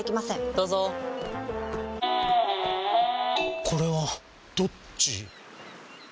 どうぞこれはどっち？